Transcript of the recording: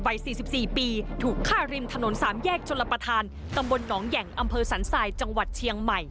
๔๔ปีถูกฆ่าริมถนน๓แยกชลประธานตำบลหนองแห่งอำเภอสันทรายจังหวัดเชียงใหม่